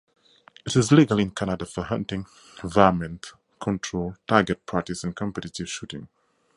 It is legal in Canada for hunting, varmint control, target practice and competitive shooting.